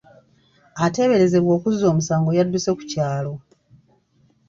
Ateeberezebwa okuzza omusango yadduse ku kyalo.